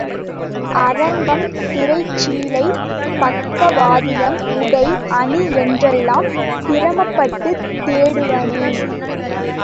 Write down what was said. அரங்கம், திரைச்சீலை, பக்க வாத்தியம், உடை அணி என்றெல்லாம் சிரமப்பட்டுத் தேடுவானேன்?